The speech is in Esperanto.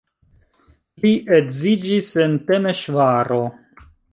Li edziĝis en Temeŝvaro.